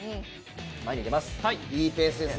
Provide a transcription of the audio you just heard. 前に出ます。